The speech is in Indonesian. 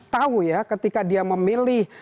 tahu ya ketika dia memilih